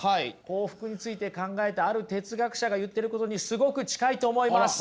幸福について考えたある哲学者が言ってることにすごく近いと思います。